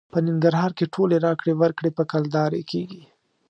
په ننګرهار کې ټولې راکړې ورکړې په کلدارې کېږي.